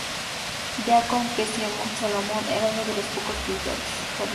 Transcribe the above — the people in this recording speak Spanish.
Deacon que Simeon Solomon era uno de los pocos pintores que admiraba.